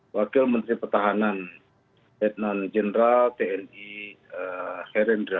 wakil menteri pertahanan setnan jenderal tni herendra